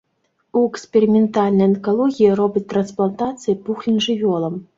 У эксперыментальнай анкалогіі робяць трансплантацыі пухлін жывёлам.